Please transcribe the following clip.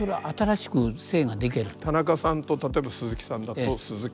田中さんと例えば鈴木さんだと鈴木田中とかですね。